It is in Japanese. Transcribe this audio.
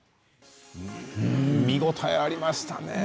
見応えがありましたね。